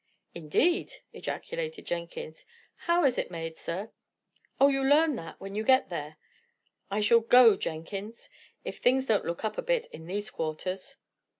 "Indeed!" ejaculated Jenkins. "How is it made, sir?" "Oh, you learn all that when you get there. I shall go, Jenkins, if things don't look up a bit in these quarters."